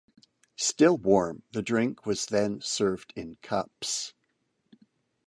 Still warm, the drink was then served in cups.